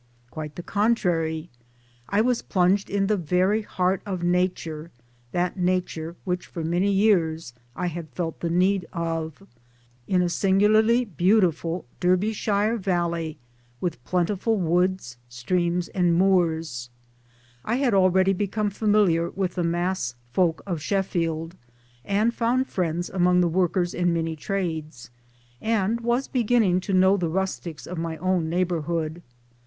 Quite the contrary. I was plunged in the very heart of Nature that Nature which for many years I had felt the need of in a singularly beautiful Derby shire valley with plentiful woods, streams and moors ; I had already become familiar with the mass folk of Sheffield, and found friends among the workers in many trades ; and was beginning to know the rustics of my own neighborhood.